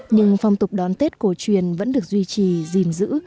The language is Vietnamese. nhưng phong tục đón tết cổ truyền vẫn được duy trì gìn giữ